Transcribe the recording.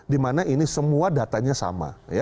dimana ini semua datanya sama